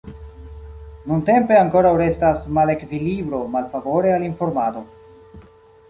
Nuntempe ankoraŭ restas malevkilibro malfavore al informado.